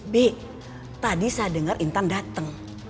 b tadi saya dengar intan datang